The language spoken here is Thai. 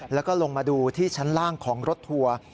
แล้วก็ลงมาดูที่ชั้นล่างของรถทัวร์